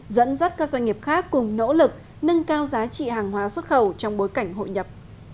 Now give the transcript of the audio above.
dẫn dắt các doanh nghiệp khác cùng nỗ lực nâng cao giá trị hàng hóa xuất khẩu trong bối cảnh hội nhập